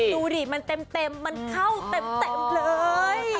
ดูดิมันเต็มมันเข้าเต็มเลย